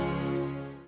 susulin gak ya